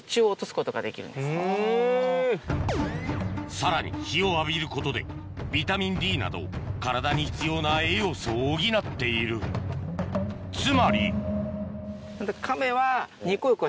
さらに日を浴びることでビタミンＤなど体に必要な栄養素を補っているつまりカメは。